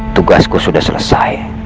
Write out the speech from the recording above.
tugasku sudah selesai